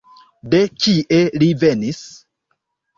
De kie li venis?